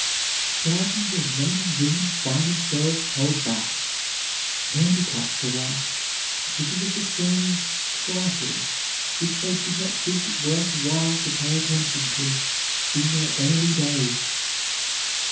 Thousands of men and women find themselves held back, handicapped for life because of the seeming trifles which they did not think it worth while to pay attention to in their early days.